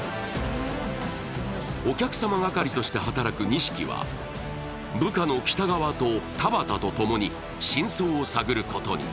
お客様係として働く西木は部下の北川と田端とともに真相を探ることに。